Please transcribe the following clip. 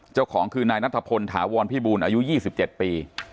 เจ้าของคือนายนัทพลถาวรพี่บูลอายุยี่สิบเจ็ดปี